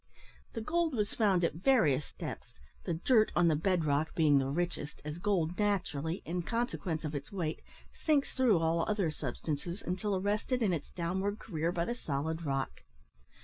The gold was found at various depths, the "dirt" on the bed rock being the richest, as gold naturally, in consequence of its weight, sinks through all other substances, until arrested in its downward career by the solid rock.